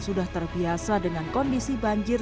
sudah terbiasa dengan kondisi banjir